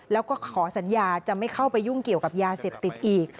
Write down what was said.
แล้วก็ขอสัญญาจะไม่เข้าไปยุ่งเกี่ยวกับยาเสพติดอีก